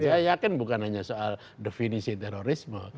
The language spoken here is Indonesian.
saya yakin bukan hanya soal definisi terorisme